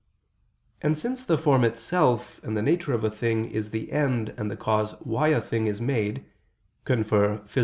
And since the form itself and the nature of a thing is the end and the cause why a thing is made (Phys.